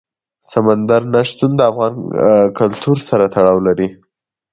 سمندر نه شتون د افغان کلتور سره تړاو لري.